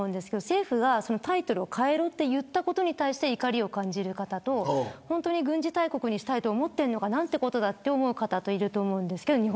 政府がタイトルを変えろと言ったことに対して怒りを感じる方と本当に軍事大国にしたいと思っているのかなんてことだと思う方がいると思います。